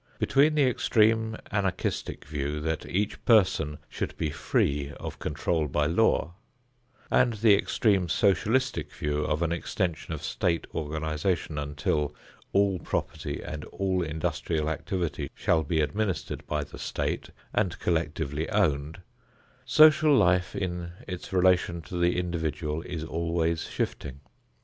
Between the extreme anarchistic view that each person should be free of control by law, and the extreme socialistic view of an extension of state organization until all property and all industrial activity shall be administered by the state and collectively owned, social life in its relation to the individual is always shifting.